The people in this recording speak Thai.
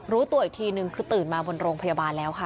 รู้ตัวอีกทีนึงคือตื่นมาบนโรงพยาบาลแล้วค่ะ